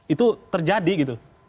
itu terjadi gitu